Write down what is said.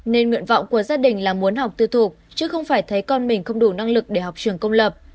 nên nguyện vọng của gia đình là muốn học tư thuộc chứ không phải thấy con mình không đủ năng lực để học trường công lập